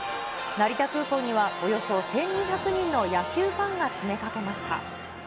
成田空港にはおよそ１２００人の野球ファンが詰めかけました。